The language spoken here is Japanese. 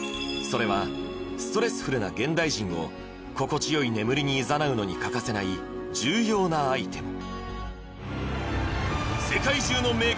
それはストレスフルな現代人を心地よい眠りにいざなうのに欠かせない重要なアイテム